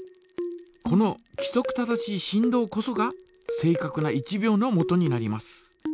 このきそく正しい振動こそが正かくな１秒のもとになります。